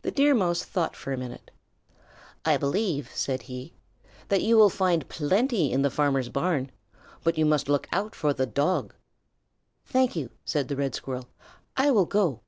The Deer Mouse thought for a minute. "I believe," said he, "that you will find plenty in the farmer's barn, but you must look out for the Dog." "Thank you," said the Red Squirrel. "I will go."